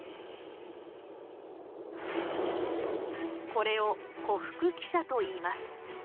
これを「胡服騎射」といいます。